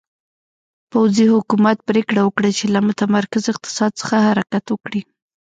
پوځي حکومت پرېکړه وکړه چې له متمرکز اقتصاد څخه حرکت وکړي.